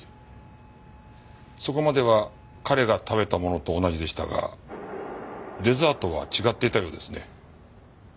そこまでは彼が食べたものと同じでしたがデザートは違っていたようですね。